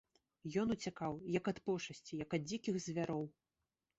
Ён уцякаў, як ад пошасці, як ад дзікіх звяроў.